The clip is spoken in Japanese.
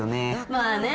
まあね。